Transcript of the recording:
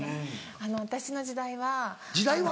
私の時代は。時代は？